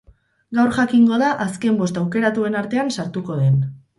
Gaur jakingo da azken bost aukeratuen artean sartuko den.